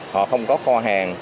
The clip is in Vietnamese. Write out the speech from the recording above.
họ không có kho hàng